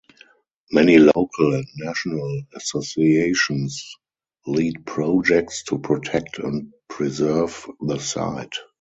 Many local and national associations lead projects to protect and preserve the site.